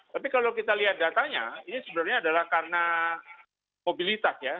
tapi kalau kita lihat datanya ini sebenarnya adalah karena mobilitas ya